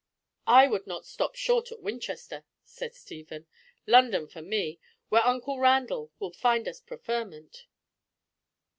"I would not stop short at Winchester," said Stephen. "London for me, where uncle Randall will find us preferment!"